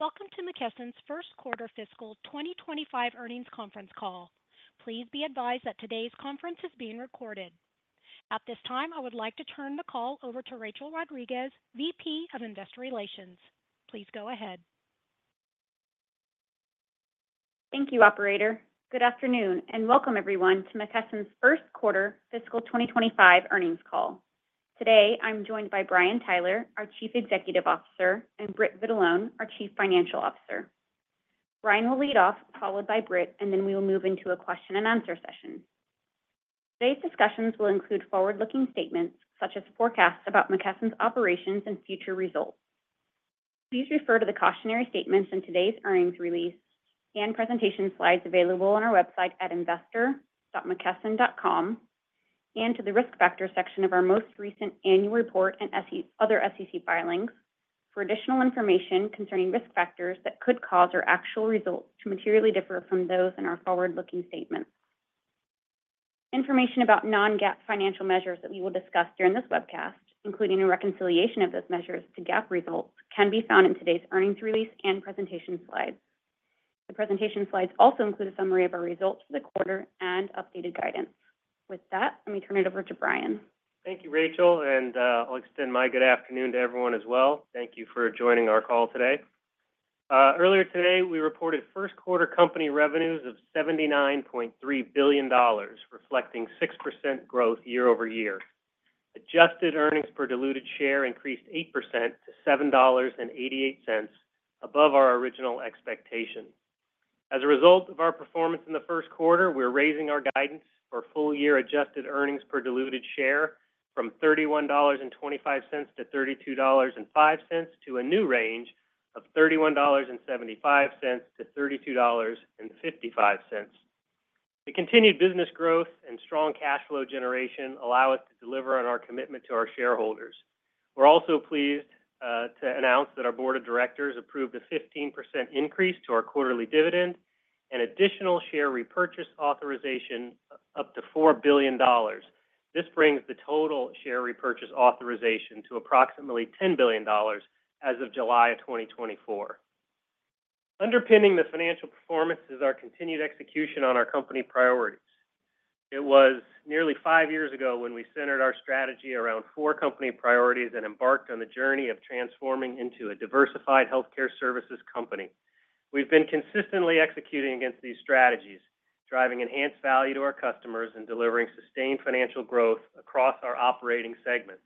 Welcome to McKesson's first quarter fiscal 2025 earnings conference call. Please be advised that today's conference is being recorded. At this time, I would like to turn the call over to Rachel Rodriguez, VP of Investor Relations. Please go ahead. Thank you, operator. Good afternoon, and welcome everyone to McKesson's first quarter fiscal 2025 earnings call. Today, I'm joined by Brian Tyler, our Chief Executive Officer, and Britt Vitalone, our Chief Financial Officer. Brian will lead off, followed by Britt, and then we will move into a question and answer session. Today's discussions will include forward-looking statements, such as forecasts about McKesson's operations and future results. Please refer to the cautionary statements in today's earnings release and presentation slides available on our website at investor.mckesson.com, and to the Risk Factors section of our most recent annual report and other SEC filings for additional information concerning risk factors that could cause our actual results to materially differ from those in our forward-looking statements. Information about non-GAAP financial measures that we will discuss during this webcast, including a reconciliation of those measures to GAAP results, can be found in today's earnings release and presentation slides. The presentation slides also include a summary of our results for the quarter and updated guidance. With that, let me turn it over to Brian. Thank you, Rachel, and I'll extend my good afternoon to everyone as well. Thank you for joining our call today. Earlier today, we reported first quarter company revenues of $79.3 billion, reflecting 6% growth year-over-year. Adjusted Earnings Per Diluted Share increased 8% to $7.88, above our original expectation. As a result of our performance in the first quarter, we're raising our guidance for full-year Adjusted Earnings Per Diluted Share from $31.25 to $32.05, to a new range of $31.75-$32.55. The continued business growth and strong cash flow generation allow us to deliver on our commitment to our shareholders. We're also pleased to announce that our board of directors approved a 15% increase to our quarterly dividend and additional share repurchase authorization up to $4 billion. This brings the total share repurchase authorization to approximately $10 billion as of July 2024. Underpinning the financial performance is our continued execution on our company priorities. It was nearly five years ago when we centered our strategy around four company priorities and embarked on the journey of transforming into a diversified healthcare services company. We've been consistently executing against these strategies, driving enhanced value to our customers and delivering sustained financial growth across our operating segments.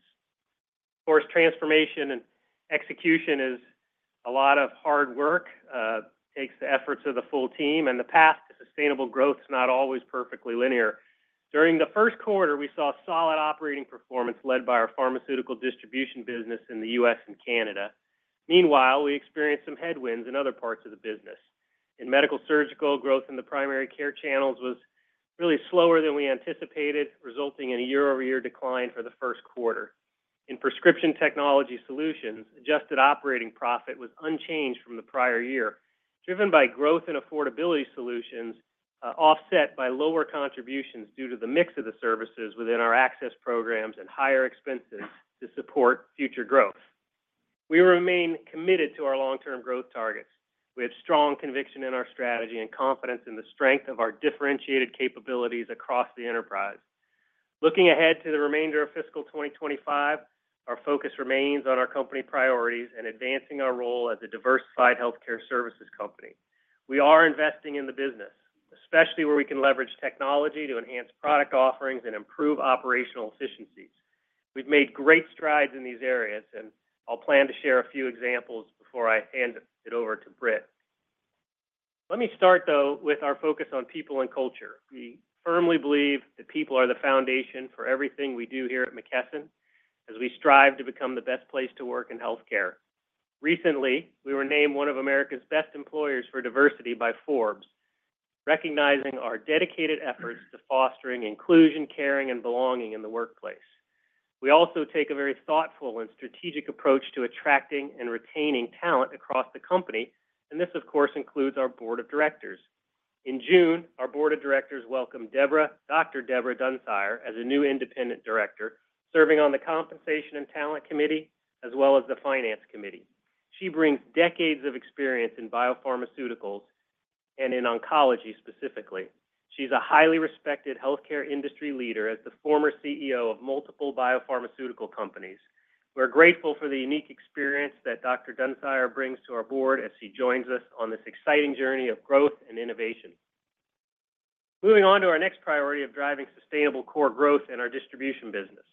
Of course, transformation and execution is a lot of hard work, takes the efforts of the full team, and the path to sustainable growth is not always perfectly linear. During the first quarter, we saw solid operating performance led by our pharmaceutical distribution business in the U.S. and Canada. Meanwhile, we experienced some headwinds in other parts of the business. In Medical-Surgical, growth in the primary care channels was really slower than we anticipated, resulting in a year-over-year decline for the first quarter. In Prescription Technology Solutions, adjusted operating profit was unchanged from the prior year, driven by growth and affordability solutions, offset by lower contributions due to the mix of the services within our access programs and higher expenses to support future growth. We remain committed to our long-term growth targets. We have strong conviction in our strategy and confidence in the strength of our differentiated capabilities across the enterprise. Looking ahead to the remainder of fiscal 2025, our focus remains on our company priorities and advancing our role as a diversified healthcare services company. We are investing in the business, especially where we can leverage technology to enhance product offerings and improve operational efficiencies. We've made great strides in these areas, and I'll plan to share a few examples before I hand it over to Britt. Let me start, though, with our focus on people and culture. We firmly believe that people are the foundation for everything we do here at McKesson, as we strive to become the best place to work in healthcare. Recently, we were named one of America's Best Employers for Diversity by Forbes, recognizing our dedicated efforts to fostering inclusion, caring, and belonging in the workplace. We also take a very thoughtful and strategic approach to attracting and retaining talent across the company, and this, of course, includes our board of directors. In June, our board of directors welcomed Dr. Deborah Dunsire. Deborah Dunsire, as a new independent director, serving on the Compensation and Talent Committee, as well as the Finance Committee. She brings decades of experience in biopharmaceuticals and in oncology, specifically. She's a highly respected healthcare industry leader as the former CEO of multiple biopharmaceutical companies. We're grateful for the unique experience that Dr. Dunsire brings to our board as she joins us on this exciting journey of growth and innovation. Moving on to our next priority of driving sustainable core growth in our distribution business.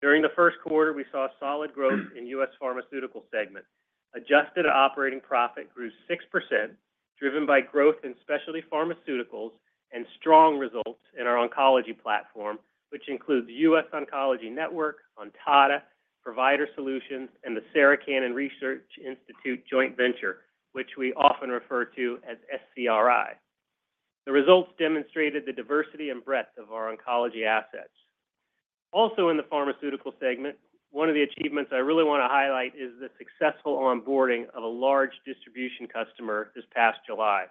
During the first quarter, we saw solid growth in U.S. Pharmaceutical segment. Adjusted operating profit grew 6%, driven by growth in specialty pharmaceuticals and strong results in our oncology platform, which includes the US Oncology Network, Ontada, Provider Solutions, and the Sarah Cannon Research Institute joint venture, which we often refer to as SCRI. The results demonstrated the diversity and breadth of our oncology assets. Also in the pharmaceutical segment, one of the achievements I really want to highlight is the successful onboarding of a large distribution customer this past July.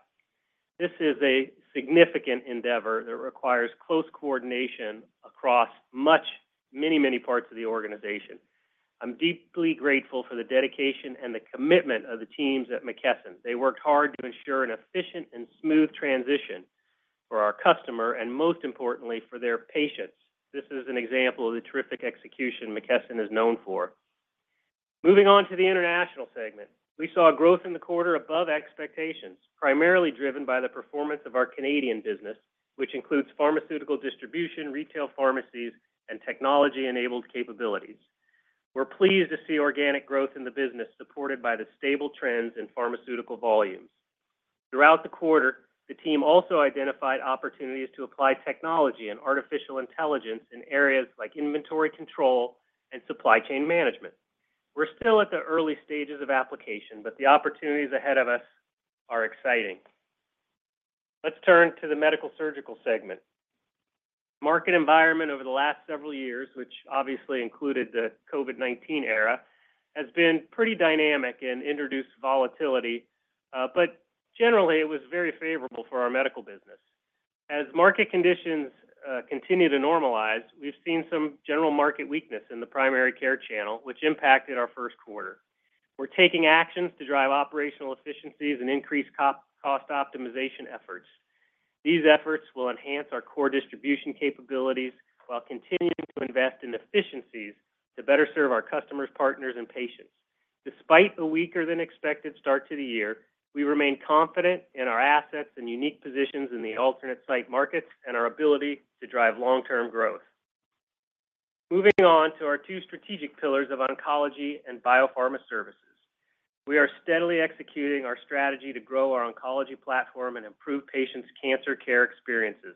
This is a significant endeavor that requires close coordination across much, many, many parts of the organization. I'm deeply grateful for the dedication and the commitment of the teams at McKesson. They worked hard to ensure an efficient and smooth transition for our customer, and most importantly, for their patients. This is an example of the terrific execution McKesson is known for. Moving on to the International segment, we saw growth in the quarter above expectations, primarily driven by the performance of our Canadian business, which includes pharmaceutical distribution, retail pharmacies, and technology-enabled capabilities. We're pleased to see organic growth in the business, supported by the stable trends in pharmaceutical volumes. Throughout the quarter, the team also identified opportunities to apply technology and artificial intelligence in areas like inventory control and supply chain management. We're still at the early stages of application, but the opportunities ahead of us are exciting. Let's turn to the Medical-Surgical segment. Market environment over the last several years, which obviously included the COVID-19 era, has been pretty dynamic and introduced volatility, but generally, it was very favorable for our medical business. As market conditions continue to normalize, we've seen some general market weakness in the primary care channel, which impacted our first quarter. We're taking actions to drive operational efficiencies and increase cost optimization efforts. These efforts will enhance our core distribution capabilities while continuing to invest in efficiencies to better serve our customers, partners, and patients. Despite a weaker-than-expected start to the year, we remain confident in our assets and unique positions in the alternate site markets and our ability to drive long-term growth. Moving on to our two strategic pillars of oncology and biopharma services. We are steadily executing our strategy to grow our oncology platform and improve patients' cancer care experiences.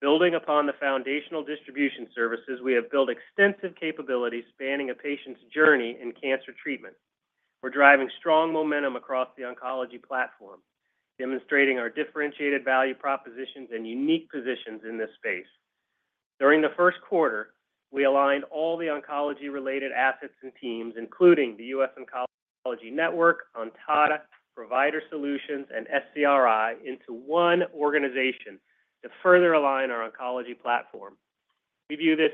Building upon the foundational distribution services, we have built extensive capabilities spanning a patient's journey in cancer treatment. We're driving strong momentum across the oncology platform, demonstrating our differentiated value propositions and unique positions in this space. During the first quarter, we aligned all the oncology-related assets and teams, including the US Oncology Network, Ontada, Provider Solutions, and SCRI, into one organization to further align our oncology platform. We view this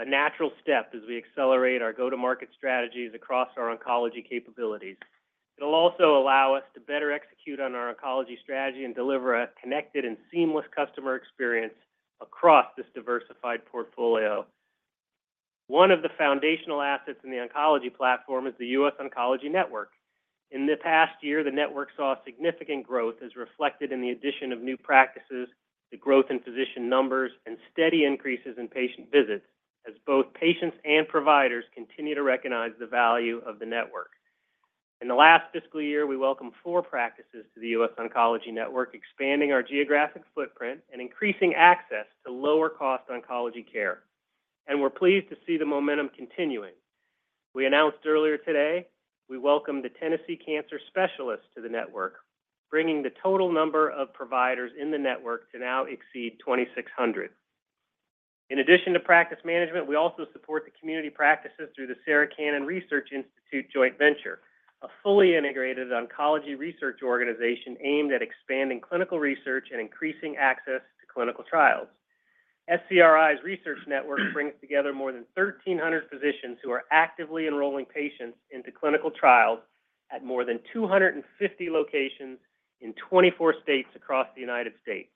as a natural step as we accelerate our go-to-market strategies across our oncology capabilities. It'll also allow us to better execute on our oncology strategy and deliver a connected and seamless customer experience across this diversified portfolio. One of the foundational assets in the oncology platform is the US Oncology Network. In the past year, the network saw significant growth, as reflected in the addition of new practices, the growth in physician numbers, and steady increases in patient visits, as both patients and providers continue to recognize the value of the network. In the last fiscal year, we welcomed four practices to the US Oncology Network, expanding our geographic footprint and increasing access to lower-cost oncology care, and we're pleased to see the momentum continuing. We announced earlier today, we welcomed the Tennessee Cancer Specialists to the network, bringing the total number of providers in the network to now exceed 2,600. In addition to practice management, we also support the community practices through the Sarah Cannon Research Institute joint venture, a fully integrated oncology research organization aimed at expanding clinical research and increasing access to clinical trials. SCRI's research network brings together more than 1,300 physicians who are actively enrolling patients into clinical trials at more than 250 locations in 24 states across the United States.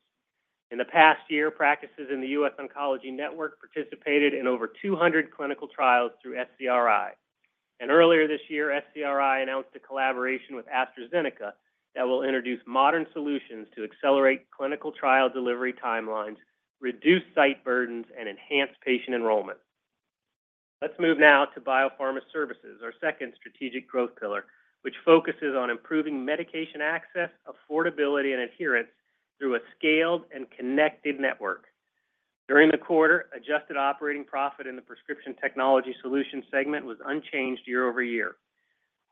In the past year, practices in the US Oncology Network participated in over 200 clinical trials through SCRI. Earlier this year, SCRI announced a collaboration with AstraZeneca that will introduce modern solutions to accelerate clinical trial delivery timelines, reduce site burdens, and enhance patient enrollment. Let's move now to Biopharma Services, our second strategic growth pillar, which focuses on improving medication access, affordability, and adherence through a scaled and connected network. During the quarter, adjusted operating profit in the Prescription Technology Solutions segment was unchanged year-over-year.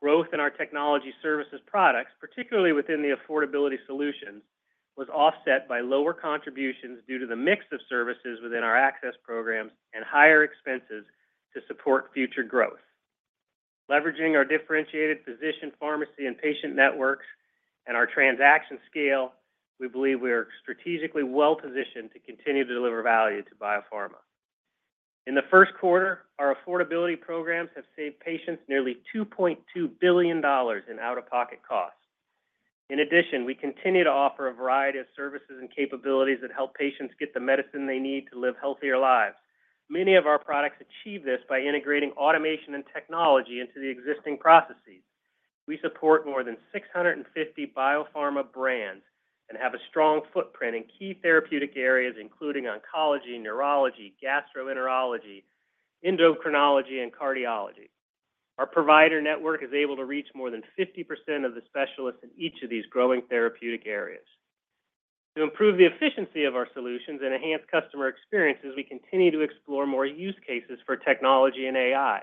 Growth in our technology services products, particularly within the affordability solutions, was offset by lower contributions due to the mix of services within our access programs and higher expenses to support future growth. Leveraging our differentiated physician, pharmacy, and patient networks and our transaction scale, we believe we are strategically well positioned to continue to deliver value to biopharma. In the first quarter, our affordability programs have saved patients nearly $2.2 billion in out-of-pocket costs. In addition, we continue to offer a variety of services and capabilities that help patients get the medicine they need to live healthier lives. Many of our products achieve this by integrating automation and technology into the existing processes. We support more than 650 biopharma brands and have a strong footprint in key therapeutic areas, including oncology, neurology, gastroenterology, endocrinology, and cardiology. Our provider network is able to reach more than 50% of the specialists in each of these growing therapeutic areas. To improve the efficiency of our solutions and enhance customer experiences, we continue to explore more use cases for technology and AI.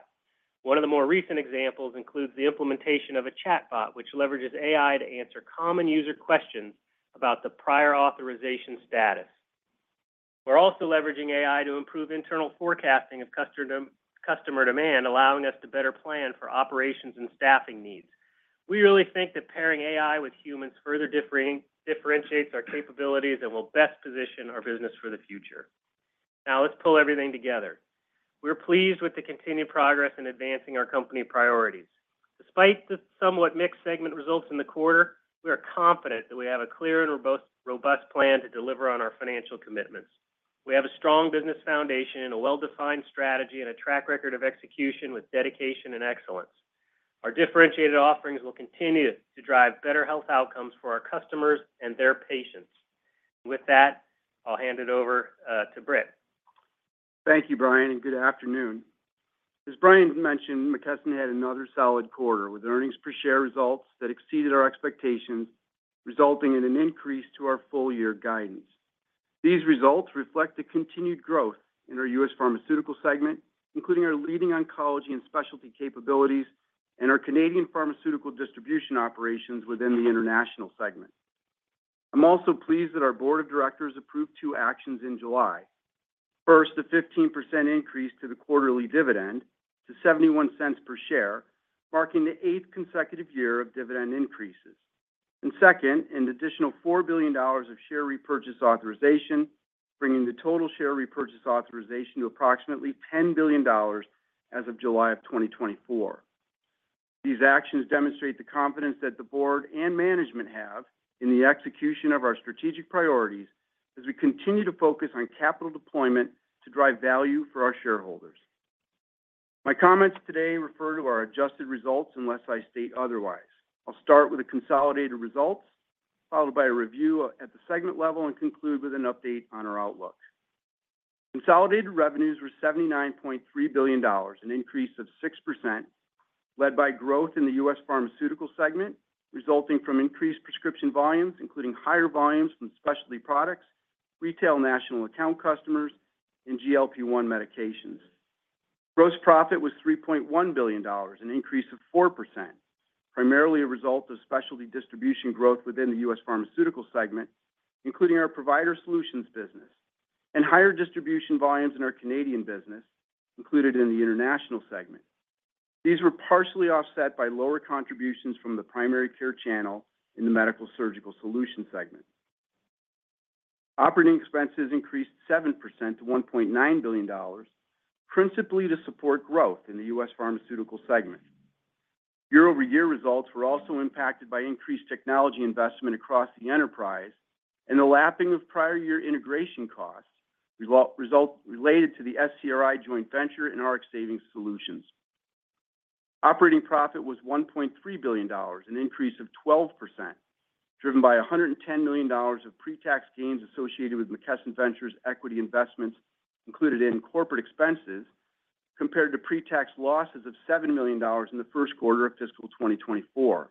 One of the more recent examples includes the implementation of a chatbot, which leverages AI to answer common user questions about the prior authorization status. We're also leveraging AI to improve internal forecasting of customer demand, allowing us to better plan for operations and staffing needs. We really think that pairing AI with humans further differentiates our capabilities and will best position our business for the future. Now, let's pull everything together. We're pleased with the continued progress in advancing our company priorities. Despite the somewhat mixed segment results in the quarter, we are confident that we have a clear and robust, robust plan to deliver on our financial commitments. We have a strong business foundation and a well-defined strategy and a track record of execution with dedication and excellence. Our differentiated offerings will continue to drive better health outcomes for our customers and their patients. With that, I'll hand it over to Britt. Thank you, Brian, and good afternoon. As Brian mentioned, McKesson had another solid quarter, with earnings per share results that exceeded our expectations, resulting in an increase to our full year guidance. These results reflect the continued growth in our U.S. Pharmaceutical segment, including our leading oncology and specialty capabilities and our Canadian pharmaceutical distribution operations within the International segment. I'm also pleased that our board of directors approved two actions in July. First, a 15% increase to the quarterly dividend to $0.71 per share, marking the eighth consecutive year of dividend increases. And second, an additional $4 billion of share repurchase authorization, bringing the total share repurchase authorization to approximately $10 billion as of July of 2024. These actions demonstrate the confidence that the board and management have in the execution of our strategic priorities as we continue to focus on capital deployment to drive value for our shareholders. My comments today refer to our adjusted results, unless I state otherwise. I'll start with the consolidated results, followed by a review at the segment level, and conclude with an update on our outlook. Consolidated revenues were $79.3 billion, an increase of 6%, led by growth in the U.S. Pharmaceutical segment, resulting from increased prescription volumes, including higher volumes from specialty products, retail national account customers, and GLP-1 medications. Gross profit was $3.1 billion, an increase of 4%, primarily a result of specialty distribution growth within the U.S. Pharmaceutical segment, including our Provider Solutions business, and higher distribution volumes in our Canadian business, included in the International segment. These were partially offset by lower contributions from the primary care channel in the Medical-Surgical Solutions segment. Operating expenses increased 7% to $1.9 billion, principally to support growth in the U.S. Pharmaceutical segment. Year-over-year results were also impacted by increased technology investment across the enterprise and the lapping of prior year integration costs related to the SCRI joint venture and Rx Savings Solutions. Operating profit was $1.3 billion, an increase of 12%, driven by $110 million of pre-tax gains associated with McKesson Ventures equity investments included in corporate expenses, compared to pre-tax losses of $7 million in the first quarter of fiscal 2024.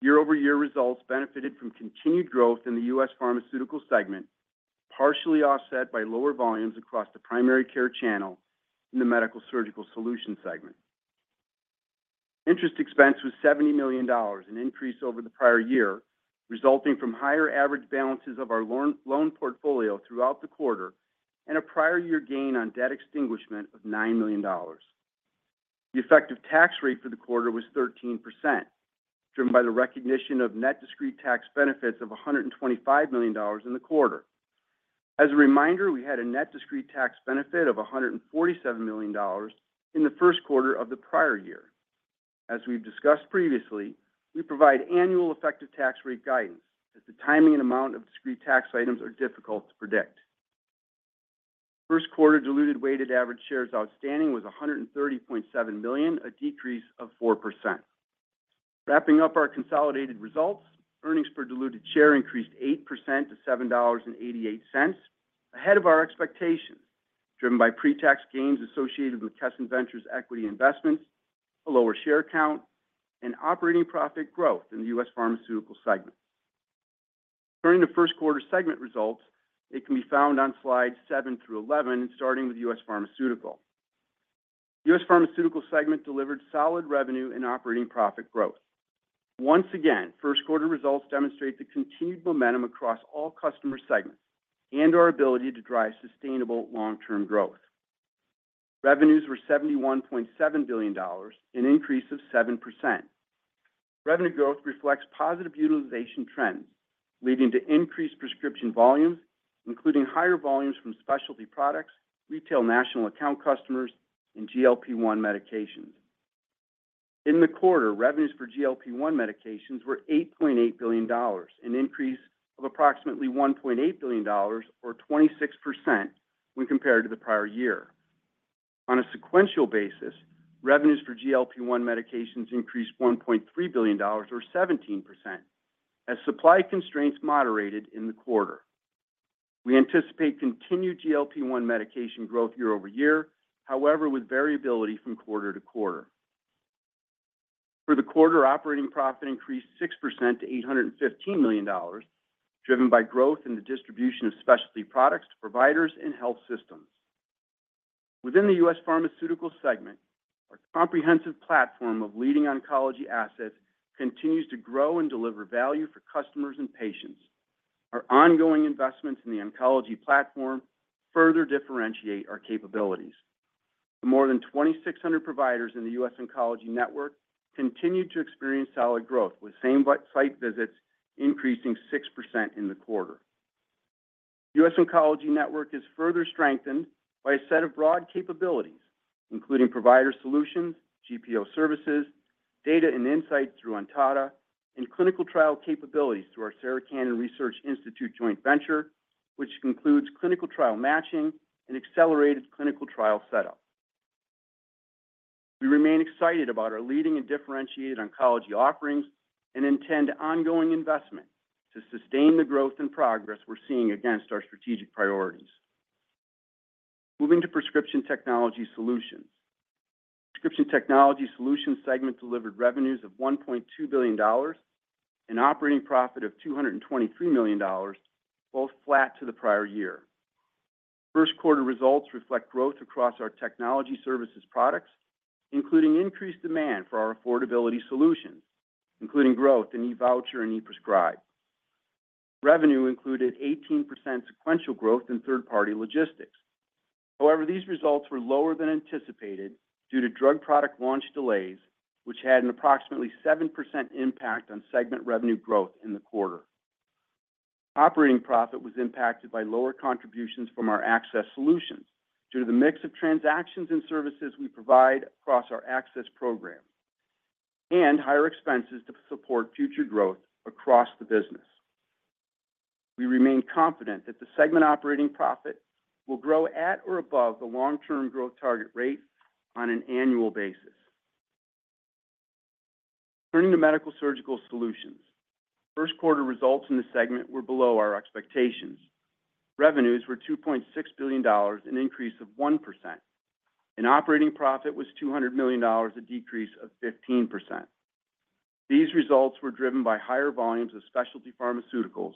Year-over-year results benefited from continued growth in the U.S. Pharmaceutical segment, partially offset by lower volumes across the primary care channel in the Medical-Surgical Solutions segment. Interest expense was $70 million, an increase over the prior year, resulting from higher average balances of our loan, loan portfolio throughout the quarter and a prior year gain on debt extinguishment of $9 million. The effective tax rate for the quarter was 13%, driven by the recognition of net discrete tax benefits of $125 million in the quarter. As a reminder, we had a net discrete tax benefit of $147 million in the first quarter of the prior year. As we've discussed previously, we provide annual effective tax rate guidance, as the timing and amount of discrete tax items are difficult to predict. First quarter diluted weighted average shares outstanding was 130.7 million, a decrease of 4%. Wrapping up our consolidated results, earnings per diluted share increased 8% to $7.88, ahead of our expectations, driven by pre-tax gains associated with McKesson Ventures equity investments, a lower share count, and operating profit growth in the U.S. Pharmaceutical segment. Turning to first quarter segment results, it can be found on slides 7 through 11, starting with U.S. Pharmaceutical. U.S. Pharmaceutical segment delivered solid revenue and operating profit growth. Once again, first quarter results demonstrate the continued momentum across all customer segments and our ability to drive sustainable long-term growth. Revenues were $71.7 billion, an increase of 7%. Revenue growth reflects positive utilization trends, leading to increased prescription volumes, including higher volumes from specialty products, retail national account customers, and GLP-1 medications. In the quarter, revenues for GLP-1 medications were $8.8 billion, an increase of approximately $1.8 billion or 26% when compared to the prior year. On a sequential basis, revenues for GLP-1 medications increased $1.3 billion or 17% as supply constraints moderated in the quarter. We anticipate continued GLP-1 medication growth year-over-year, however, with variability from quarter to quarter. For the quarter, operating profit increased 6% to $815 million, driven by growth in the distribution of specialty products to providers and health systems.... Within the U.S. Pharmaceutical segment, our comprehensive platform of leading oncology assets continues to grow and deliver value for customers and patients. Our ongoing investments in the oncology platform further differentiate our capabilities. The more than 2,600 providers in the US Oncology Network continued to experience solid growth, with same site visits increasing 6% in the quarter. US Oncology Network is further strengthened by a set of broad capabilities, including Provider Solutions, GPO services, data and insights through Ontada, and clinical trial capabilities through our Sarah Cannon Research Institute joint venture, which includes clinical trial matching and accelerated clinical trial setup. We remain excited about our leading and differentiated oncology offerings and intend ongoing investment to sustain the growth and progress we're seeing against our strategic priorities. Moving to Prescription Technology Solutions. Prescription Technology Solutions segment delivered revenues of $1.2 billion, and operating profit of $223 million, both flat to the prior year. First quarter results reflect growth across our technology services products, including increased demand for our affordability solutions, including growth in eVoucher and ePrescribe. Revenue included 18% sequential growth in third-party logistics. However, these results were lower than anticipated due to drug product launch delays, which had an approximately 7% impact on segment revenue growth in the quarter. Operating profit was impacted by lower contributions from our access solutions due to the mix of transactions and services we provide across our access program and higher expenses to support future growth across the business. We remain confident that the segment operating profit will grow at or above the long-term growth target rate on an annual basis. Turning to Medical-Surgical Solutions. First quarter results in this segment were below our expectations. Revenues were $2.6 billion, an increase of 1%, and operating profit was $200 million, a decrease of 15%. These results were driven by higher volumes of specialty pharmaceuticals,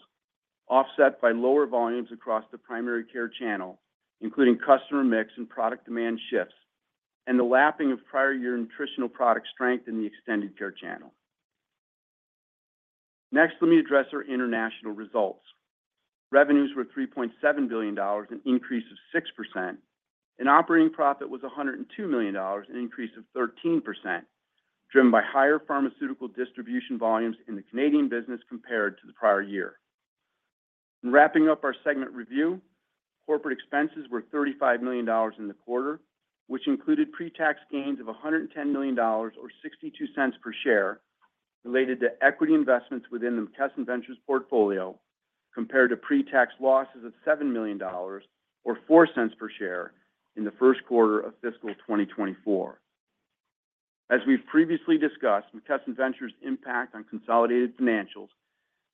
offset by lower volumes across the primary care channel, including customer mix and product demand shifts, and the lapping of prior year nutritional product strength in the extended care channel. Next, let me address our international results. Revenues were $3.7 billion, an increase of 6%, and operating profit was $102 million, an increase of 13%, driven by higher pharmaceutical distribution volumes in the Canadian business compared to the prior year. In wrapping up our segment review, corporate expenses were $35 million in the quarter, which included pre-tax gains of $110 million or $0.62 per share, related to equity investments within the McKesson Ventures portfolio, compared to pre-tax losses of $7 million or $0.04 per share in the first quarter of fiscal 2024. As we've previously discussed, McKesson Ventures' impact on consolidated financials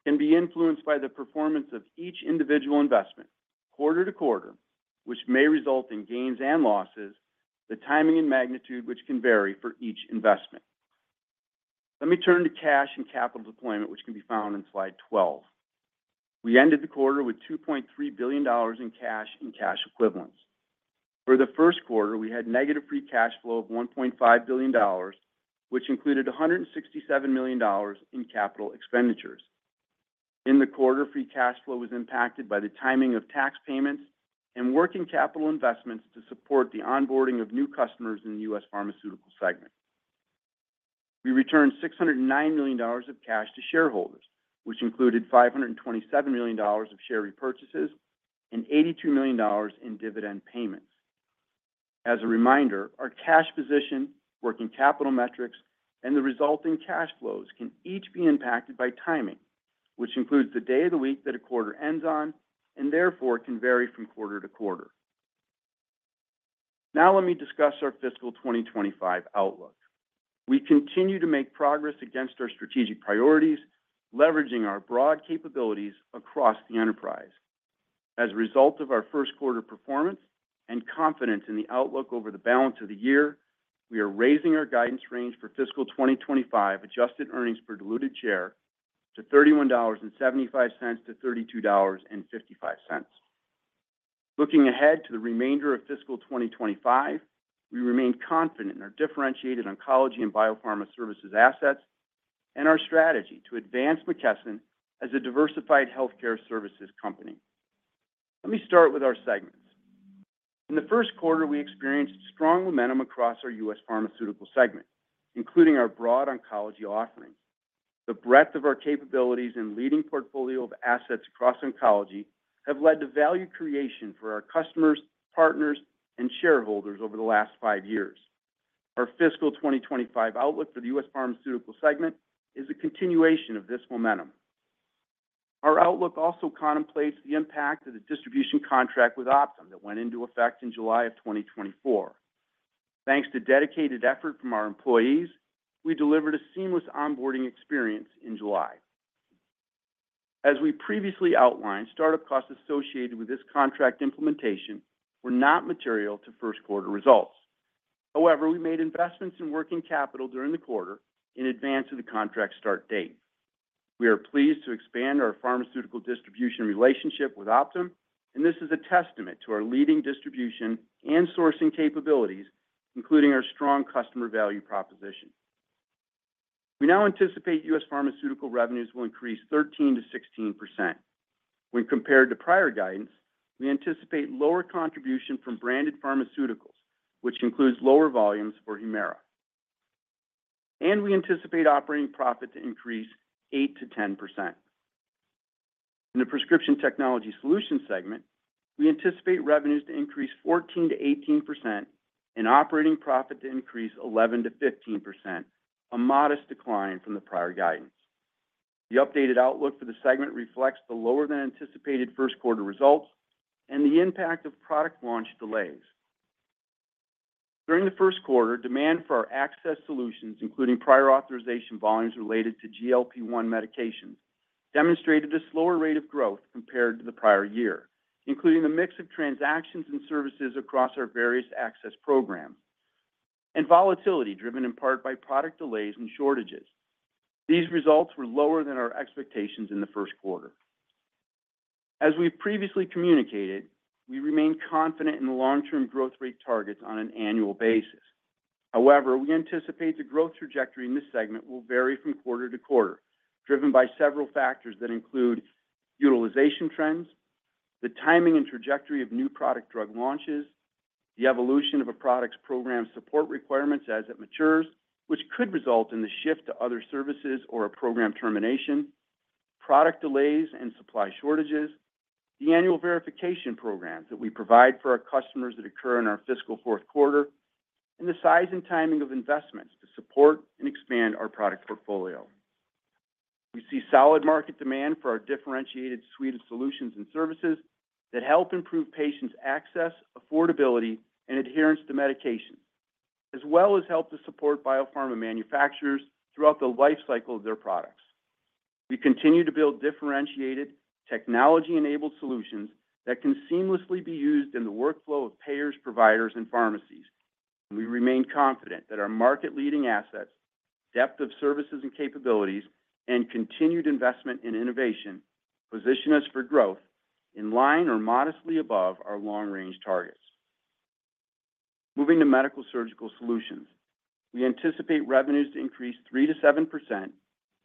can be influenced by the performance of each individual investment quarter to quarter, which may result in gains and losses, the timing and magnitude, which can vary for each investment. Let me turn to cash and capital deployment, which can be found on slide 12. We ended the quarter with $2.3 billion in cash and cash equivalents. For the first quarter, we had negative free cash flow of $1.5 billion, which included $167 million in capital expenditures. In the quarter, free cash flow was impacted by the timing of tax payments and working capital investments to support the onboarding of new customers in the U.S. Pharmaceutical segment. We returned $609 million of cash to shareholders, which included $527 million of share repurchases and $82 million in dividend payments. As a reminder, our cash position, working capital metrics, and the resulting cash flows can each be impacted by timing, which includes the day of the week that a quarter ends on, and therefore can vary from quarter to quarter. Now let me discuss our fiscal 2025 outlook. We continue to make progress against our strategic priorities, leveraging our broad capabilities across the enterprise. As a result of our first quarter performance and confidence in the outlook over the balance of the year, we are raising our guidance range for fiscal 2025 Adjusted Earnings Per Diluted Share to $31.75-$32.55. Looking ahead to the remainder of fiscal 2025, we remain confident in our differentiated oncology and biopharma services assets and our strategy to advance McKesson as a diversified healthcare services company. Let me start with our segments. In the first quarter, we experienced strong momentum across our U.S. Pharmaceutical segment, including our broad oncology offerings. The breadth of our capabilities and leading portfolio of assets across oncology have led to value creation for our customers, partners, and shareholders over the last five years. Our fiscal 2025 outlook for the U.S. Pharmaceutical segment is a continuation of this momentum. Our outlook also contemplates the impact of the distribution contract with Optum that went into effect in July 2024. Thanks to dedicated effort from our employees, we delivered a seamless onboarding experience in July. As we previously outlined, startup costs associated with this contract implementation were not material to first quarter results. However, we made investments in working capital during the quarter in advance of the contract start date. We are pleased to expand our pharmaceutical distribution relationship with Optum, and this is a testament to our leading distribution and sourcing capabilities, including our strong customer value proposition. We now anticipate U.S. pharmaceutical revenues will increase 13%-16%. When compared to prior guidance, we anticipate lower contribution from branded pharmaceuticals, which includes lower volumes for Humira. We anticipate operating profit to increase 8%-10%. In the Prescription Technology Solutions segment, we anticipate revenues to increase 14%-18% and operating profit to increase 11%-15%, a modest decline from the prior guidance. The updated outlook for the segment reflects the lower than anticipated first quarter results and the impact of product launch delays. During the first quarter, demand for our access solutions, including prior authorization volumes related to GLP-1 medications, demonstrated a slower rate of growth compared to the prior year, including the mix of transactions and services across our various access programs, and volatility driven in part by product delays and shortages. These results were lower than our expectations in the first quarter. As we previously communicated, we remain confident in the long-term growth rate targets on an annual basis. However, we anticipate the growth trajectory in this segment will vary from quarter to quarter, driven by several factors that include utilization trends, the timing and trajectory of new product drug launches, the evolution of a product's program support requirements as it matures, which could result in the shift to other services or a program termination, product delays and supply shortages, the annual verification programs that we provide for our customers that occur in our fiscal fourth quarter, and the size and timing of investments to support and expand our product portfolio. We see solid market demand for our differentiated suite of solutions and services that help improve patients' access, affordability, and adherence to medication, as well as help to support biopharma manufacturers throughout the life cycle of their products. We continue to build differentiated, technology-enabled solutions that can seamlessly be used in the workflow of payers, providers, and pharmacies, and we remain confident that our market-leading assets, depth of services and capabilities, and continued investment in innovation position us for growth in line or modestly above our long-range targets. Moving to Medical-Surgical Solutions, we anticipate revenues to increase 3%-7%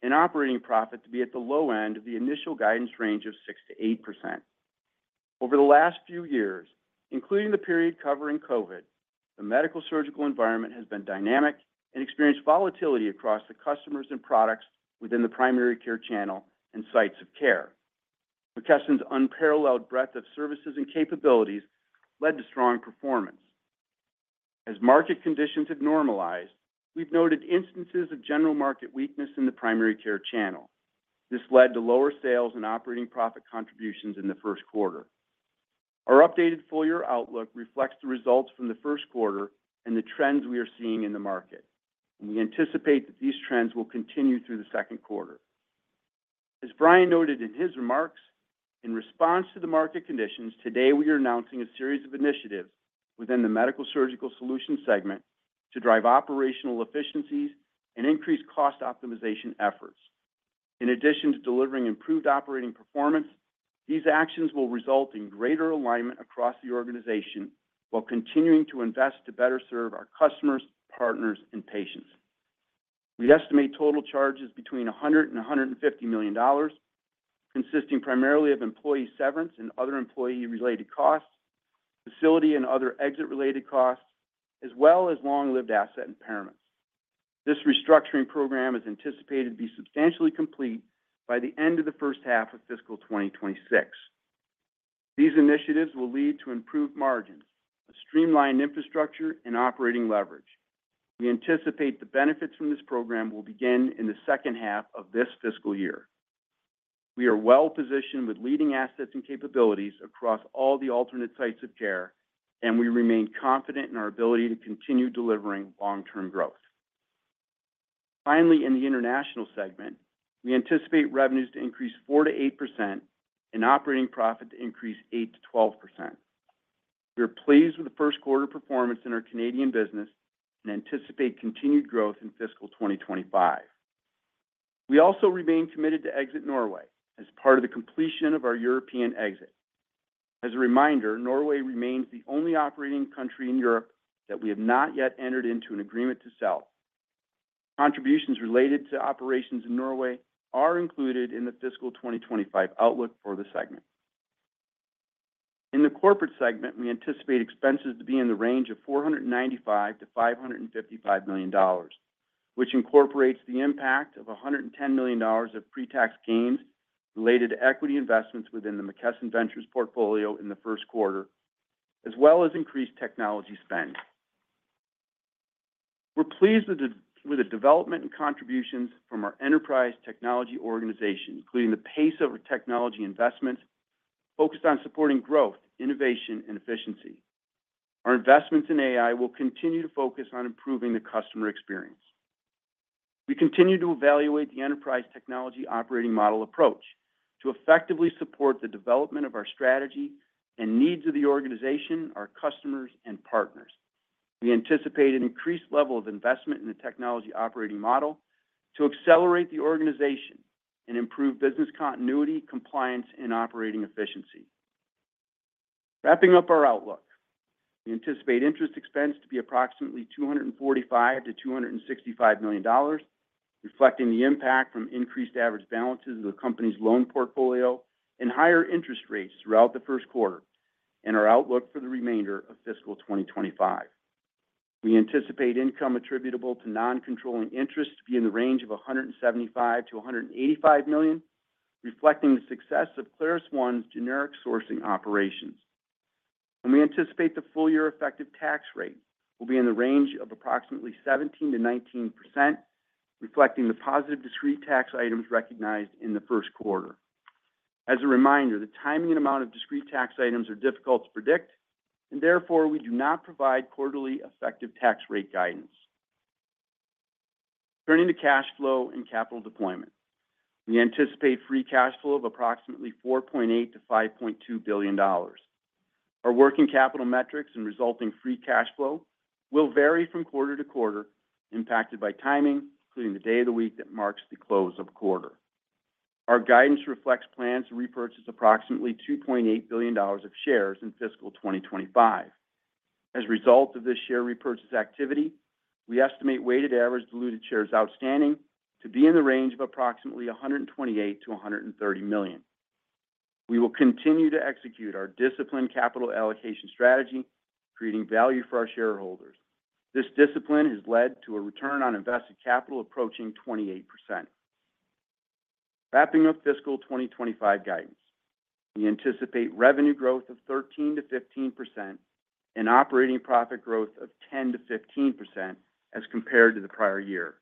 and operating profit to be at the low end of the initial guidance range of 6%-8%. Over the last few years, including the period covering COVID, the Medical-Surgical environment has been dynamic and experienced volatility across the customers and products within the primary care channel and sites of care. McKesson's unparalleled breadth of services and capabilities led to strong performance. As market conditions have normalized, we've noted instances of general market weakness in the primary care channel. This led to lower sales and operating profit contributions in the first quarter. Our updated full year outlook reflects the results from the first quarter and the trends we are seeing in the market, and we anticipate that these trends will continue through the second quarter. As Brian noted in his remarks, in response to the market conditions, today, we are announcing a series of initiatives within the Medical-Surgical Solutions segment to drive operational efficiencies and increase cost optimization efforts. In addition to delivering improved operating performance, these actions will result in greater alignment across the organization while continuing to invest to better serve our customers, partners, and patients. We estimate total charges between $100-$150 million, consisting primarily of employee severance and other employee-related costs, facility and other exit-related costs, as well as long-lived asset impairments. This restructuring program is anticipated to be substantially complete by the end of the first half of fiscal 2026. These initiatives will lead to improved margins, a streamlined infrastructure, and operating leverage. We anticipate the benefits from this program will begin in the second half of this fiscal year. We are well positioned with leading assets and capabilities across all the alternate sites of care, and we remain confident in our ability to continue delivering long-term growth. Finally, in the International segment, we anticipate revenues to increase 4%-8% and operating profit to increase 8%-12%. We are pleased with the first quarter performance in our Canadian business and anticipate continued growth in fiscal 2025. We also remain committed to exit Norway as part of the completion of our European exit. As a reminder, Norway remains the only operating country in Europe that we have not yet entered into an agreement to sell. Contributions related to operations in Norway are included in the fiscal 2025 outlook for the segment. In the corporate segment, we anticipate expenses to be in the range of $495 million-$555 million, which incorporates the impact of $110 million of pre-tax gains related to equity investments within the McKesson Ventures portfolio in the first quarter, as well as increased technology spend. We're pleased with the development and contributions from our enterprise technology organization, including the pace of our technology investments focused on supporting growth, innovation, and efficiency. Our investments in AI will continue to focus on improving the customer experience. We continue to evaluate the enterprise technology operating model approach to effectively support the development of our strategy and needs of the organization, our customers, and partners. We anticipate an increased level of investment in the technology operating model to accelerate the organization and improve business continuity, compliance, and operating efficiency. Wrapping up our outlook, we anticipate interest expense to be approximately $245 million-$265 million, reflecting the impact from increased average balances of the company's loan portfolio and higher interest rates throughout the first quarter and our outlook for the remainder of fiscal 2025. We anticipate income attributable to non-controlling interests to be in the range of $175 million-$185 million, reflecting the success of ClarusOne's generic sourcing operations. We anticipate the full year effective tax rate will be in the range of approximately 17%-19%, reflecting the positive discrete tax items recognized in the first quarter. As a reminder, the timing and amount of discrete tax items are difficult to predict, and therefore, we do not provide quarterly effective tax rate guidance. Turning to cash flow and capital deployment. We anticipate free cash flow of approximately $4.8 billion-$5.2 billion. Our working capital metrics and resulting free cash flow will vary from quarter to quarter, impacted by timing, including the day of the week that marks the close of a quarter. Our guidance reflects plans to repurchase approximately $2.8 billion of shares in fiscal 2025. As a result of this share repurchase activity, we estimate weighted average diluted shares outstanding to be in the range of approximately 128-130 million. We will continue to execute our disciplined capital allocation strategy, creating value for our shareholders. This discipline has led to a return on invested capital approaching 28%. Wrapping up fiscal 2025 guidance, we anticipate revenue growth of 13%-15% and operating profit growth of 10%-15% as compared to the prior year.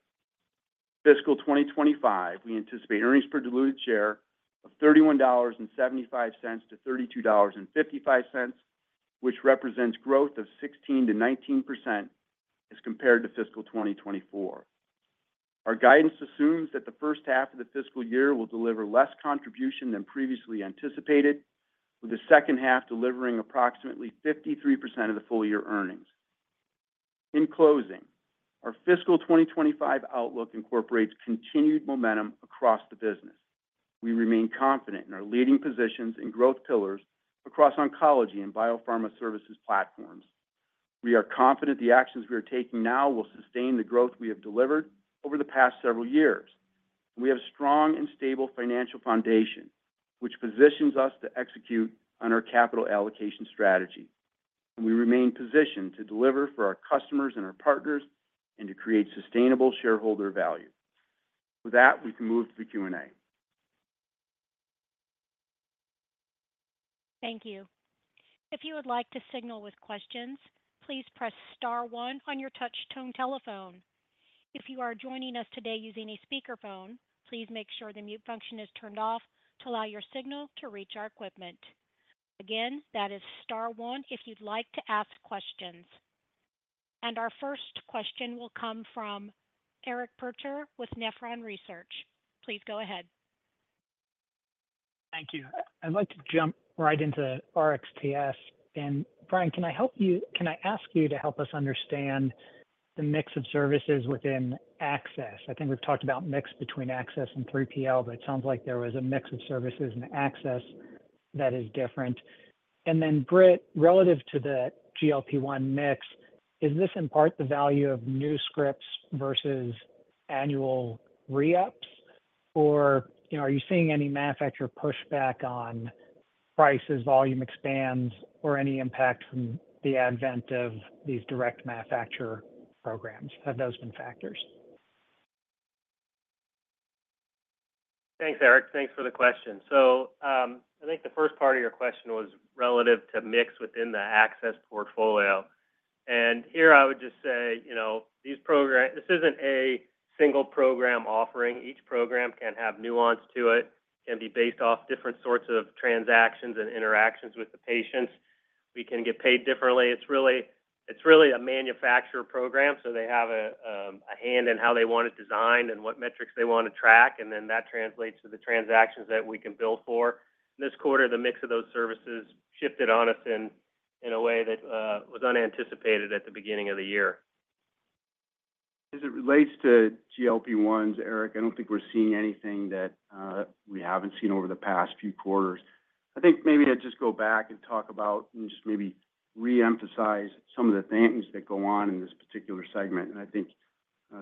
Fiscal 2025, we anticipate earnings per diluted share of $31.75-$32.55, which represents growth of 16%-19% as compared to fiscal 2024. Our guidance assumes that the first half of the fiscal year will deliver less contribution than previously anticipated, with the second half delivering approximately 53% of the full year earnings. In closing, our fiscal 2025 outlook incorporates continued momentum across the business. We remain confident in our leading positions and growth pillars across oncology and biopharma services platforms. We are confident the actions we are taking now will sustain the growth we have delivered over the past several years. We have a strong and stable financial foundation, which positions us to execute on our capital allocation strategy. We remain positioned to deliver for our customers and our partners and to create sustainable shareholder value. With that, we can move to the Q&A. Thank you. If you would like to signal with questions, please press star one on your touch tone telephone. If you are joining us today using a speakerphone, please make sure the mute function is turned off to allow your signal to reach our equipment. Again, that is star one if you'd like to ask questions. And our first question will come from Eric Percher with Nephron Research. Please go ahead. Thank you. I'd like to jump right into RxTS. And Brian, can I ask you to help us understand the mix of services within access? I think we've talked about mix between access and 3PL, but it sounds like there was a mix of services and access that is different. And then, Britt, relative to the GLP-1 mix, is this in part the value of new scripts versus annual re-ups, or, you know, are you seeing any manufacturer pushback on prices, volume expands, or any impact from the advent of these direct manufacturer programs? Have those been factors? Thanks, Eric. Thanks for the question. So, I think the first part of your question was relative to mix within the access portfolio. And here I would just say, you know, these programs. This isn't a single program offering. Each program can have nuance to it, can be based off different sorts of transactions and interactions with the patients. We can get paid differently. It's really, it's really a manufacturer program, so they have a, a hand in how they want it designed and what metrics they want to track, and then that translates to the transactions that we can bill for. This quarter, the mix of those services shifted on us in a way that was unanticipated at the beginning of the year. As it relates to GLP-1s, Eric, I don't think we're seeing anything that we haven't seen over the past few quarters. I think maybe I'd just go back and talk about and just maybe re-emphasize some of the things that go on in this particular segment. And I think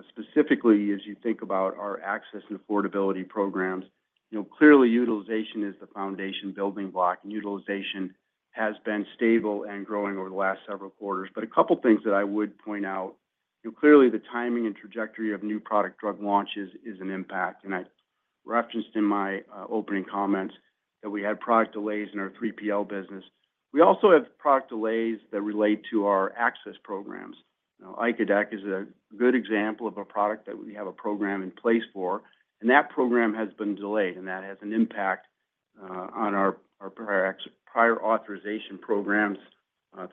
specifically, as you think about our access and affordability programs, you know, clearly utilization is the foundation building block, and utilization has been stable and growing over the last several quarters. But a couple of things that I would point out, you know, clearly, the timing and trajectory of new product drug launches is an impact. And I referenced in my opening comments that we had product delays in our 3PL business. We also have product delays that relate to our access programs. Now, insulin icodec is a good example of a product that we have a program in place for, and that program has been delayed, and that has an impact on our prior authorization programs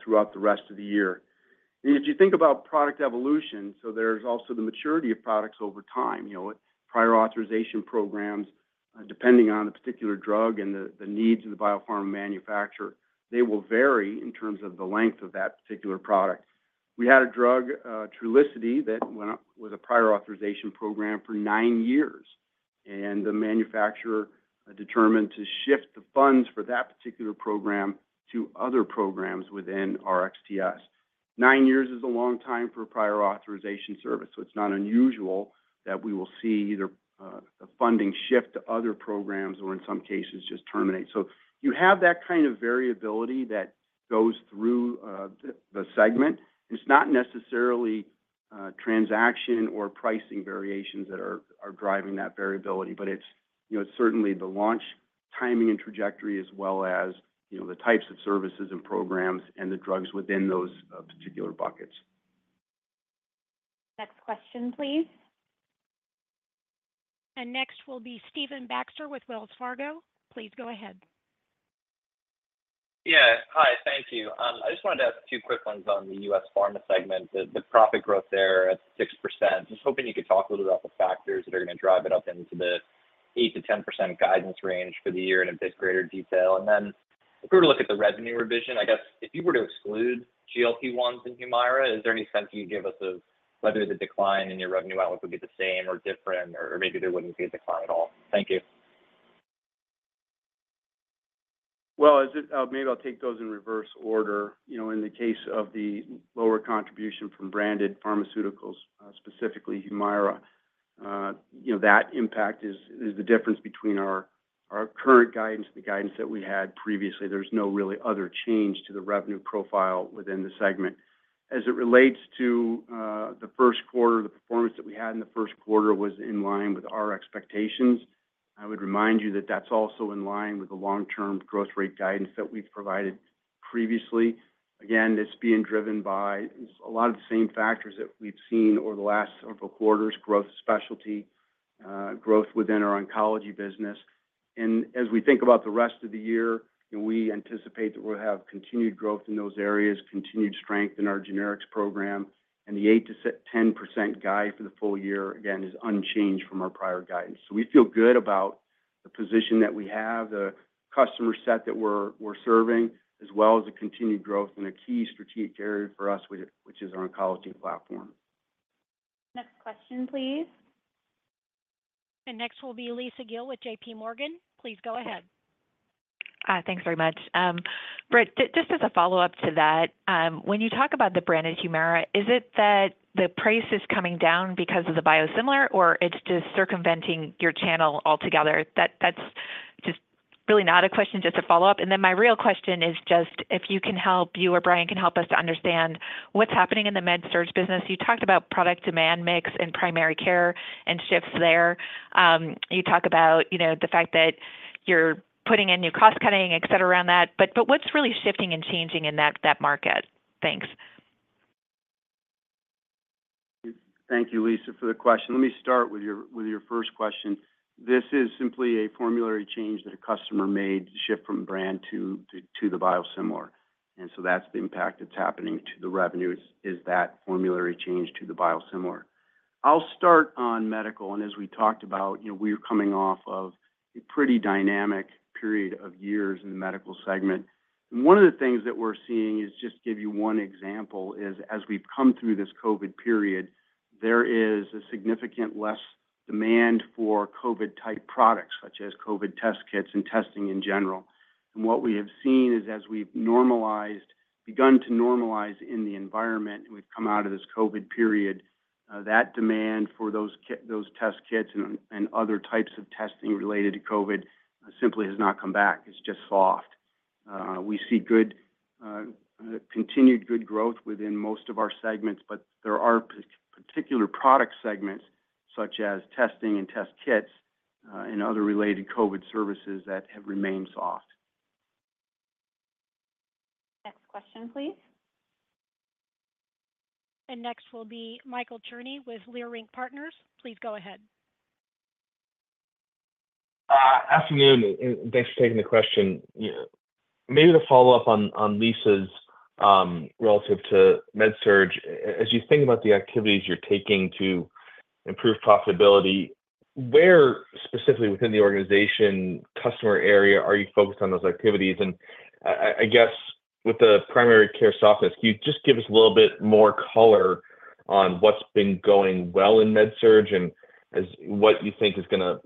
throughout the rest of the year. And if you think about product evolution, so there's also the maturity of products over time. You know, prior authorization programs... depending on the particular drug and the needs of the biopharma manufacturer, they will vary in terms of the length of that particular product. We had a drug, Trulicity, that went up with a prior authorization program for nine years, and the manufacturer determined to shift the funds for that particular program to other programs within RxTS. Nine years is a long time for a prior authorization service, so it's not unusual that we will see either the funding shift to other programs or in some cases, just terminate. So you have that kind of variability that goes through the segment. It's not necessarily transaction or pricing variations that are driving that variability, but it's, you know, certainly the launch timing and trajectory, as well as, you know, the types of services and programs and the drugs within those particular buckets. Next question, please. Next will be Stephen Baxter with Wells Fargo. Please go ahead. Yeah. Hi, thank you. I just wanted to ask two quick ones on the US pharma segment. The profit growth there at 6%, just hoping you could talk a little about the factors that are going to drive it up into the 8%-10% guidance range for the year in a bit greater detail. And then if we were to look at the revenue revision, I guess, if you were to exclude GLP-1s in Humira, is there any sense you can give us of whether the decline in your revenue outlook would be the same or different, or maybe there wouldn't be a decline at all? Thank you. Well, as it maybe I'll take those in reverse order. You know, in the case of the lower contribution from branded pharmaceuticals, specifically Humira, you know, that impact is, is the difference between our, our current guidance and the guidance that we had previously. There's no really other change to the revenue profile within the segment. As it relates to, the first quarter, the performance that we had in the first quarter was in line with our expectations. I would remind you that that's also in line with the long-term growth rate guidance that we've provided previously. Again, it's being driven by a lot of the same factors that we've seen over the last several quarters, growth specialty, growth within our oncology business. As we think about the rest of the year, and we anticipate that we'll have continued growth in those areas, continued strength in our generics program, and the 8%-10% guide for the full year, again, is unchanged from our prior guidance. We feel good about the position that we have, the customer set that we're serving, as well as the continued growth in a key strategic area for us, which is our oncology platform. Next question, please. Next will be Lisa Gill with J.P. Morgan. Please go ahead. Thanks very much. Britt, just as a follow-up to that, when you talk about the branded Humira, is it that the price is coming down because of the biosimilar, or it's just circumventing your channel altogether? That's just really not a question, just a follow-up. And then my real question is just if you can help, you or Brian can help us to understand what's happening in the Med-Surg business. You talked about product demand mix in primary care and shifts there. You talk about, you know, the fact that you're putting in new cost cutting, et cetera, around that, but what's really shifting and changing in that market? Thanks. Thank you, Lisa, for the question. Let me start with your, with your first question. This is simply a formulary change that a customer made to shift from brand to, to, to the biosimilar. And so that's the impact that's happening to the revenues, is that formulary change to the biosimilar. I'll start on medical, and as we talked about, you know, we're coming off of a pretty dynamic period of years in the medical segment. And one of the things that we're seeing is, just to give you one example, is as we've come through this COVID period, there is a significant less demand for COVID-type products, such as COVID test kits and testing in general. What we have seen is as we've begun to normalize in the environment, and we've come out of this COVID period, that demand for those test kits and other types of testing related to COVID simply has not come back. It's just soft. We see good, continued good growth within most of our segments, but there are particular product segments, such as testing and test kits, and other related COVID services that have remained soft. Next question, please. Next will be Michael Cherny with Leerink Partners. Please go ahead. Afternoon, and thanks for taking the question. Yeah. Maybe to follow up on Lisa's relative to Med-Surg, as you think about the activities you're taking to improve profitability, where specifically within the organization, customer area, are you focused on those activities? And I guess with the primary care softness, can you just give us a little bit more color on what's been going well in Med-Surg and what you think is going to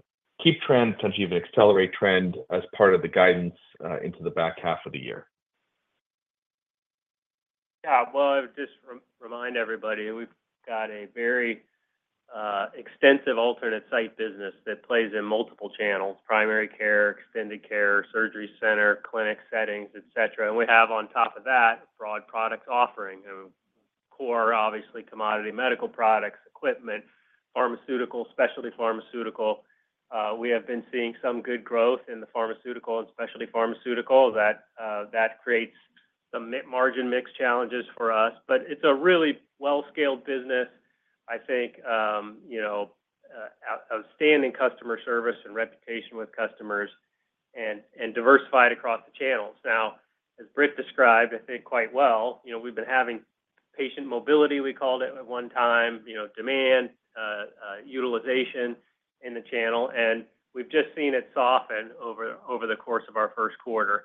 keep trend, potentially even accelerate trend as part of the guidance into the back half of the year? Yeah. Well, just remind everybody, we've got a very extensive alternate site business that plays in multiple channels: primary care, extended care, surgery center, clinic settings, et cetera. And we have on top of that, a broad product offering of core, obviously, commodity medical products, equipment, pharmaceutical, specialty pharmaceutical. We have been seeing some good growth in the pharmaceutical and specialty pharmaceutical that creates some margin mix challenges for us. But it's a really well-scaled business. I think, you know, outstanding customer service and reputation with customers, and diversified across the channels. Now, as Britt described, I think quite well, you know, we've been having patient mobility, we called it at one time, you know, demand, utilization in the channel, and we've just seen it soften over the course of our first quarter.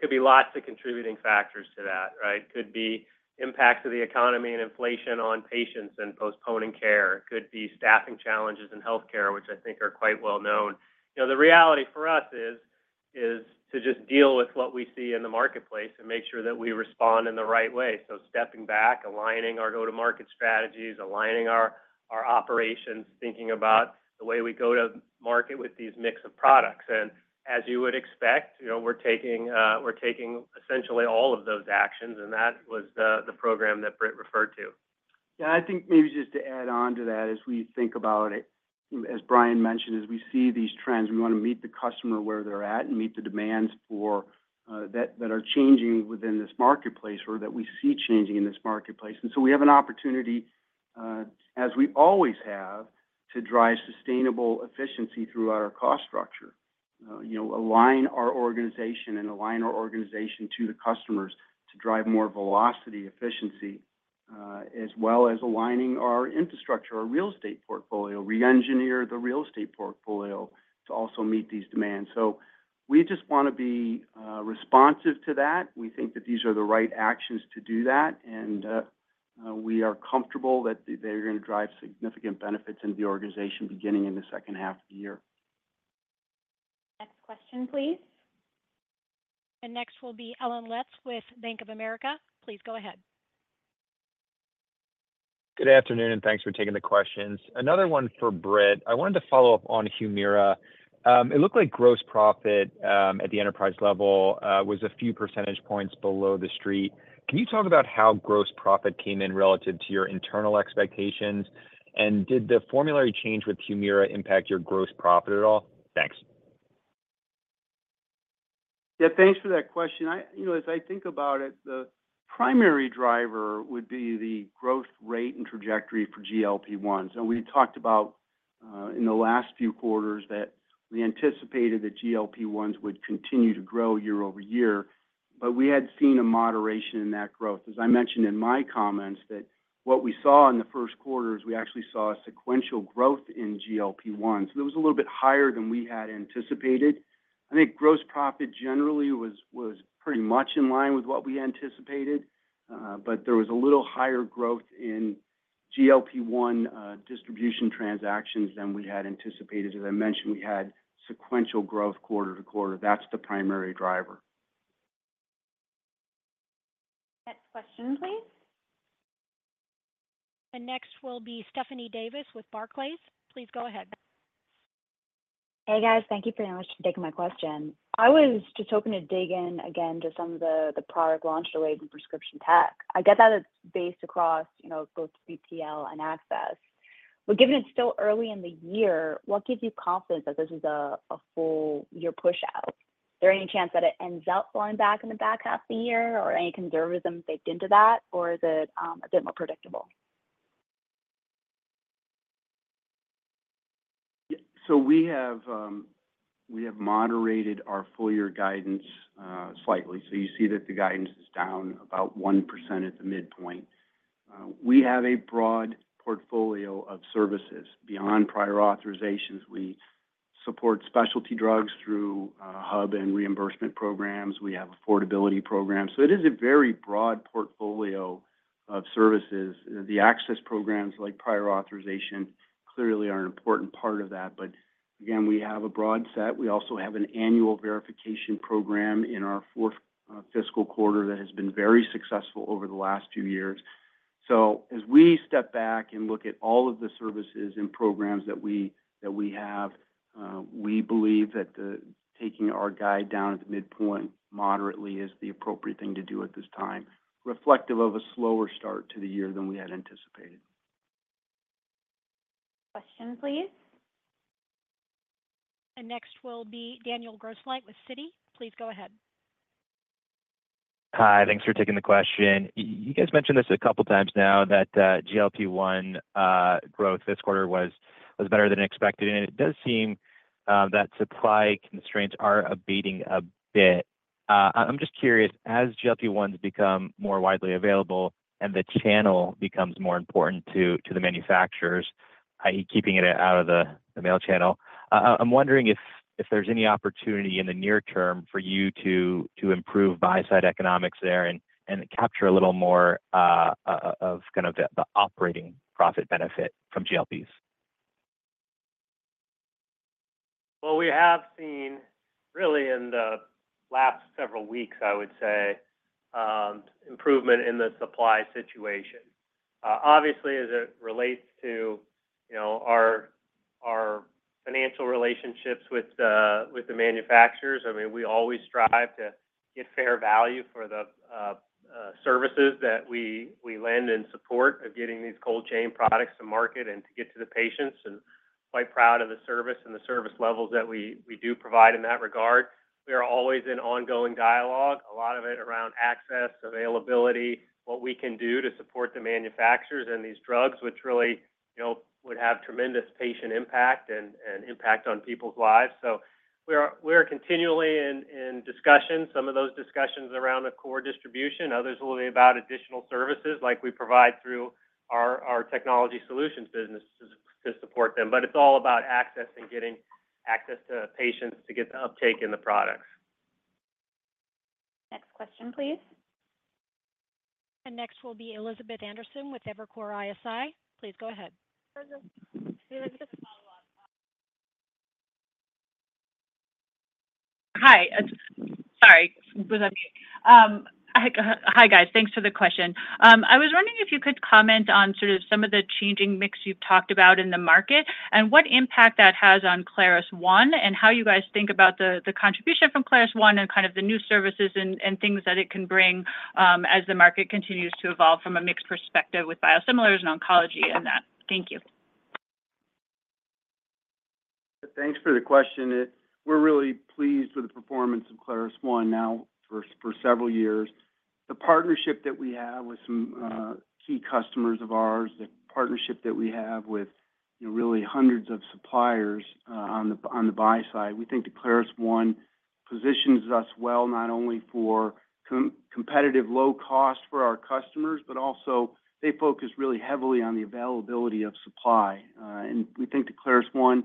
Could be lots of contributing factors to that, right? Could be impacts of the economy and inflation on patients and postponing care. Could be staffing challenges in healthcare, which I think are quite well known. You know, the reality for us is to just deal with what we see in the marketplace and make sure that we respond in the right way. So stepping back, aligning our go-to-market strategies, aligning our operations, thinking about the way we go to market with these mix of products. And as you would expect, you know, we're taking essentially all of those actions, and that was the program that Britt referred to. Yeah, I think maybe just to add on to that, as we think about it, as Brian mentioned, as we see these trends, we want to meet the customer where they're at and meet the demands for that are changing within this marketplace or that we see changing in this marketplace. And so we have an opportunity, as we always have, to drive sustainable efficiency through our cost structure. You know, align our organization to the customers to drive more velocity, efficiency, as well as aligning our infrastructure, our real estate portfolio, reengineer the real estate portfolio to also meet these demands. So we just want to be responsive to that. We think that these are the right actions to do that, and we are comfortable that they're going to drive significant benefits into the organization beginning in the second half of the year. Next question, please. Next will be Allen Lutz with Bank of America. Please go ahead. Good afternoon, and thanks for taking the questions. Another one for Britt. I wanted to follow up on Humira. It looked like gross profit, at the enterprise level, was a few percentage points below the Street. Can you talk about how gross profit came in relative to your internal expectations? And did the formulary change with Humira impact your gross profit at all? Thanks. Yeah, thanks for that question. You know, as I think about it, the primary driver would be the growth rate and trajectory for GLP-1s. And we talked about in the last few quarters that we anticipated that GLP-1s would continue to grow year-over-year, but we had seen a moderation in that growth. As I mentioned in my comments, that what we saw in the first quarter is we actually saw a sequential growth in GLP-1. So it was a little bit higher than we had anticipated. I think gross profit generally was pretty much in line with what we anticipated, but there was a little higher growth in GLP-1 distribution transactions than we had anticipated. As I mentioned, we had sequential growth quarter-to-quarter. That's the primary driver. Next question, please. Next will be Stephanie Davis with Barclays. Please go ahead. Hey, guys. Thank you very much for taking my question. I was just hoping to dig in again to some of the, the product launch delays in prescription tech. I get that it's based across, you know, both 3PL and access. But given it's still early in the year, what gives you confidence that this is a, a full year pushout? Is there any chance that it ends up falling back in the back half of the year or any conservatism baked into that, or is it a bit more predictable? Yeah. So we have moderated our full year guidance slightly. So you see that the guidance is down about 1% at the midpoint. We have a broad portfolio of services. Beyond prior authorizations, we support specialty drugs through hub and reimbursement programs. We have affordability programs. So it is a very broad portfolio of services. The access programs, like prior authorization, clearly are an important part of that. But again, we have a broad set. We also have an annual verification program in our fourth fiscal quarter that has been very successful over the last two years. So as we step back and look at all of the services and programs that we, that we have, we believe that taking our guide down at the midpoint moderately is the appropriate thing to do at this time, reflective of a slower start to the year than we had anticipated. Question, please. Next will be Daniel Grosslight with Citi. Please go ahead. Hi, thanks for taking the question. You guys mentioned this a couple of times now, that GLP-1 growth this quarter was better than expected, and it does seem that supply constraints are abating a bit. I'm just curious, as GLP-1s become more widely available and the channel becomes more important to the manufacturers, i.e., keeping it out of the mail channel, I'm wondering if there's any opportunity in the near term for you to improve buy-side economics there and capture a little more of kind of the operating profit benefit from GLPs? Well, we have seen, really in the last several weeks, I would say, improvement in the supply situation. Obviously, as it relates to, you know, our financial relationships with the manufacturers, I mean, we always strive to get fair value for the services that we lend in support of getting these cold chain products to market and to get to the patients, and quite proud of the service and the service levels that we do provide in that regard.... We are always in ongoing dialogue, a lot of it around access, availability, what we can do to support the manufacturers and these drugs, which really, you know, would have tremendous patient impact and, and impact on people's lives. So we are, we are continually in, in discussion. Some of those discussions around the core distribution, others will be about additional services, like we provide through our, our technology solutions business to, to support them. But it's all about access and getting access to patients to get the uptake in the products. Next question, please. Next will be Elizabeth Anderson with Evercore ISI. Please go ahead. Hi. Sorry, was that me? Hi, guys. Thanks for the question. I was wondering if you could comment on sort of some of the changing mix you've talked about in the market, and what impact that has on ClarusOne, and how you guys think about the contribution from ClarusOne and kind of the new services and things that it can bring, as the market continues to evolve from a mixed perspective with biosimilars and oncology and that. Thank you. Thanks for the question. We're really pleased with the performance of ClarusOne now for several years. The partnership that we have with some key customers of ours, the partnership that we have with, you know, really hundreds of suppliers on the buy side, we think the ClarusOne positions us well, not only for competitive low cost for our customers, but also they focus really heavily on the availability of supply. And we think the ClarusOne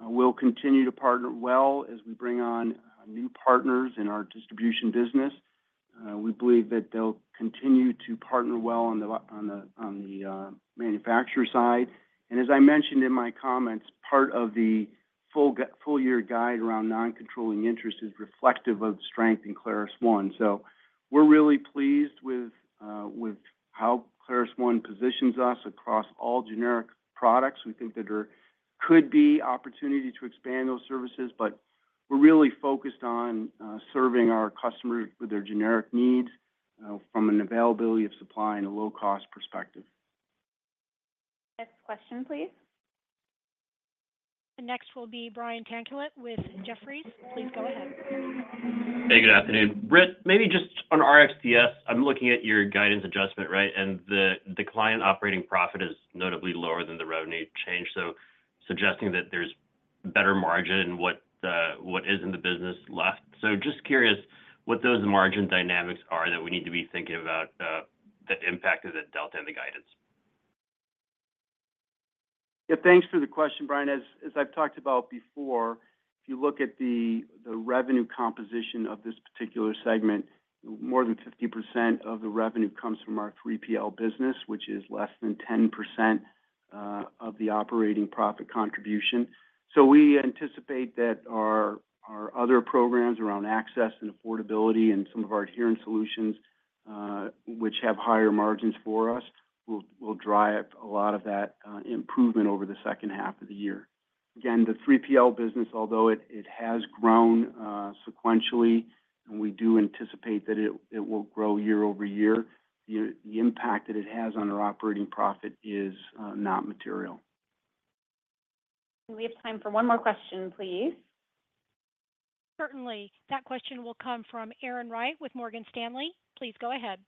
will continue to partner well as we bring on new partners in our distribution business. We believe that they'll continue to partner well on the manufacturer side. And as I mentioned in my comments, part of the full-year guide around non-controlling interest is reflective of the strength in ClarusOne. We're really pleased with how ClarusOne positions us across all generic products. We think that there could be opportunity to expand those services, but we're really focused on serving our customers with their generic needs from an availability of supply and a low-cost perspective. Next question, please. Next will be Brian Tanquilut with Jefferies. Please go ahead. Hey, good afternoon. Britt, maybe just on RxTS, I'm looking at your guidance adjustment, right? And the client operating profit is notably lower than the revenue change, so suggesting that there's better margin, what is in the business left. So just curious what those margin dynamics are that we need to be thinking about, the impact of the delta and the guidance. Yeah, thanks for the question, Brian. As I've talked about before, if you look at the revenue composition of this particular segment, more than 50% of the revenue comes from our 3PL business, which is less than 10% of the operating profit contribution. So we anticipate that our other programs around access and affordability and some of our adherence solutions, which have higher margins for us, will drive a lot of that improvement over the second half of the year. Again, the 3PL business, although it has grown sequentially, and we do anticipate that it will grow year-over-year, the impact that it has on our operating profit is not material. We have time for one more question, please. Certainly. That question will come from Erin Wright with Morgan Stanley. Please go ahead.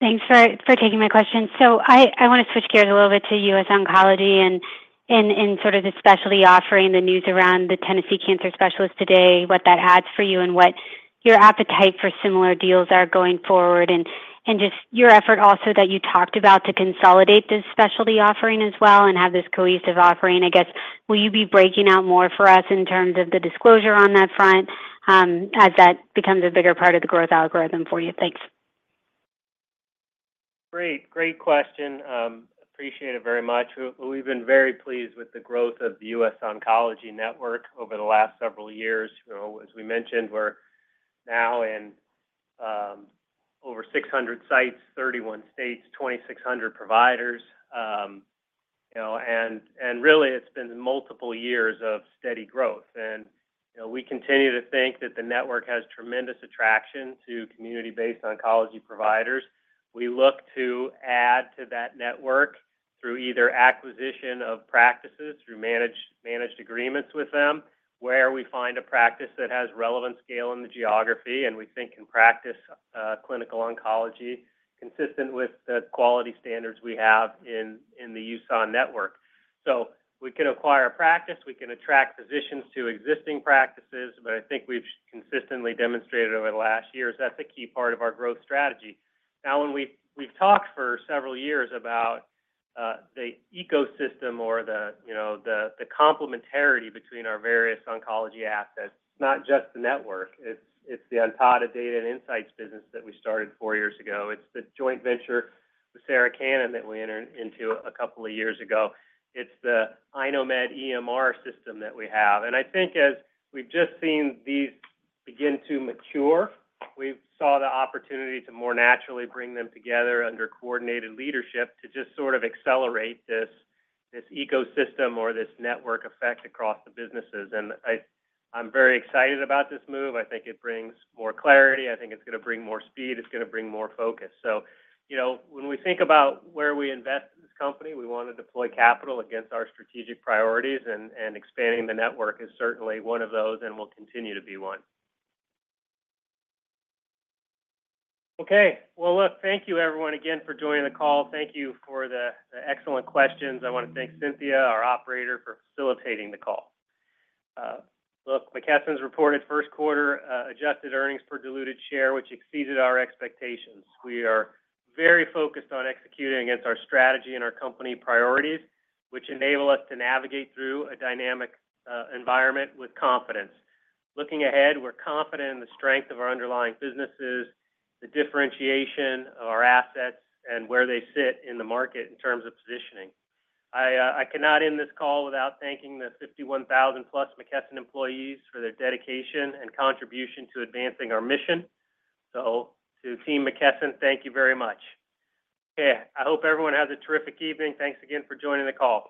Thanks for taking my question. So I want to switch gears a little bit to US Oncology and sort of the specialty offering, the news around the Tennessee Cancer Specialists today, what that adds for you, and what your appetite for similar deals are going forward. And just your effort also that you talked about to consolidate this specialty offering as well and have this cohesive offering, I guess, will you be breaking out more for us in terms of the disclosure on that front, as that becomes a bigger part of the growth algorithm for you? Thanks. Great, great question. Appreciate it very much. We've been very pleased with the growth of the US Oncology Network over the last several years. You know, as we mentioned, we're now in over 600 sites, 31 states, 2,600 providers. You know, and really, it's been multiple years of steady growth. And, you know, we continue to think that the network has tremendous attraction to community-based oncology providers. We look to add to that network through either acquisition of practices, through managed agreements with them, where we find a practice that has relevant scale in the geography, and we think can practice clinical oncology consistent with the quality standards we have in the USON network. So we can acquire a practice, we can attract physicians to existing practices, but I think we've consistently demonstrated over the last years, that's a key part of our growth strategy. Now, when we've talked for several years about, uh, the ecosystem or the, you know, the, the complementarity between our various oncology assets, it's not just the network, it's, it's the Ontada data and insights business that we started four years ago. It's the joint venture with Sarah Cannon that we entered into a couple of years ago. It's the iKnowMed EMR system that we have. And I, I'm very excited about this move. I think it brings more clarity. I think it's going to bring more speed, it's going to bring more focus. So, you know, when we think about where we invest in this company, we want to deploy capital against our strategic priorities, and, and expanding the network is certainly one of those and will continue to be one. Okay, well, look, thank you, everyone, again for joining the call. Thank you for the, the excellent questions. I want to thank Cynthia, our operator, for facilitating the call. Look, McKesson's reported first quarter adjusted earnings per diluted share, which exceeded our expectations. We are very focused on executing against our strategy and our company priorities, which enable us to navigate through a dynamic environment with confidence. Looking ahead, we're confident in the strength of our underlying businesses, the differentiation of our assets, and where they sit in the market in terms of positioning. I, I cannot end this call without thanking the 51,000+ McKesson employees for their dedication and contribution to advancing our mission. So to Team McKesson, thank you very much. Okay, I hope everyone has a terrific evening. Thanks again for joining the call.